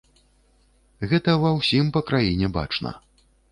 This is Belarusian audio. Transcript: Гэта ва ўсім па краіне бачна.